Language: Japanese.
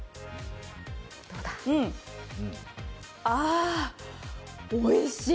あー、おいしい。